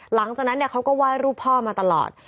หลังจากนั้นเขาก็ไหว้รูปพ่อมาตลอด